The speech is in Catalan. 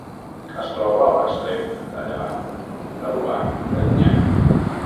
Es troba a l'extrem de llevant de l'Obac d'Erinyà.